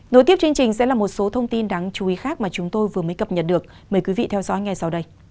nối tiếp chương trình sẽ là một số thông tin đáng chú ý khác mà chúng tôi vừa mới cập nhật được mời quý vị theo dõi ngay sau đây